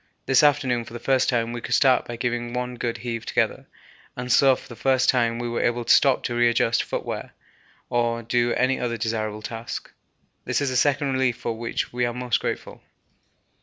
This afternoon for the first time we could start by giving one good heave together, and so for the first time we are able to stop to readjust footgear or do any other desirable task. This is a second relief for which we are most grateful.